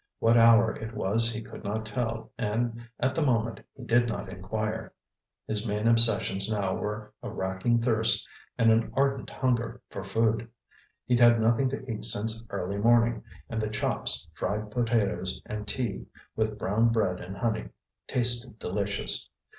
What hour it was he could not tell, and at the moment he did not inquire. His main obsessions now were a racking thirst and an ardent hunger for food. He'd had nothing to eat since early morning, and the chops, fried potatoes and tea, with brown bread and honey, tasted delicious.